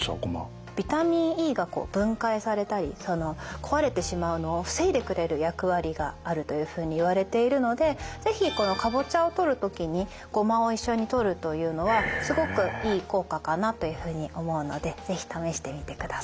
ビタミンＥが分解されたり壊れてしまうのを防いでくれる役割があるというふうにいわれているので是非このカボチャをとる時にゴマを一緒にとるというのはすごくいい効果かなというふうに思うので是非試してみてください。